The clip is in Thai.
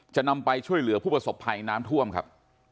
จะนำไปช่วยเหลือผู้ประสบภัยน้ำท่วมครับ